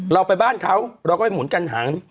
เราไปบ้านเขาเราก็ไปหมุนกันหาง